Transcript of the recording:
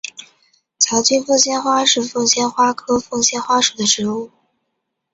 槽茎凤仙花是凤仙花科凤仙花属的植物。